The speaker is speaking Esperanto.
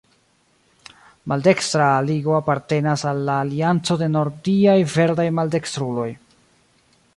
Maldekstra Ligo apartenas al la Alianco de Nordiaj Verdaj Maldekstruloj.